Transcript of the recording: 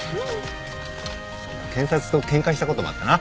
検察とケンカしたこともあったな。